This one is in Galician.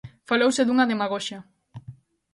Falouse dunha demagoxia.